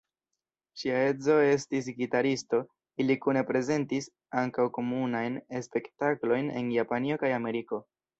Ŝia edzo estis gitaristo, ili kune prezentis ankaŭ komunajn spektaklojn en Japanio kaj Ameriko.